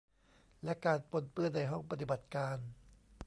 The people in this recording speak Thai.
และการปนเปื้อนในห้องปฏิบัติการ